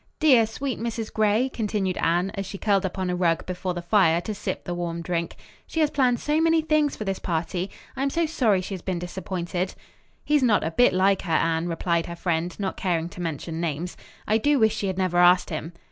"Dear, sweet Mrs. Gray," continued Anne, as she curled up on a rug before the fire to sip the warm drink, "she has planned so many things for this party. I am so sorry she has been disappointed." "He's not a bit like her, Anne," replied her friend, not caring to mention names. "I do wish she had never asked him."